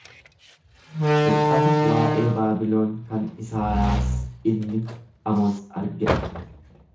Mul’ata waa’ee Baabiloon kan Isaayaas ilmi Amoz arge dha.